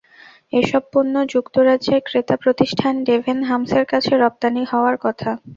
এসব পণ্য যুক্তরাজ্যের ক্রেতা প্রতিষ্ঠান ডেভেন হামসের কাছে রপ্তানি হওয়ার কথা।